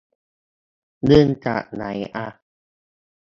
ดึงจากไหนอ่ะ